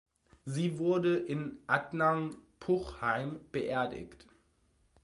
Sie wurde in Attnang-Puchheim beerdigt.